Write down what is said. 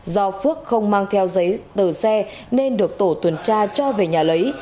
do phước không mang theo giấy tờ xe nên được tổ tuần tra cho về nhà lấy